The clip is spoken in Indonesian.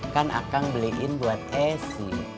kan akang beliin buat esi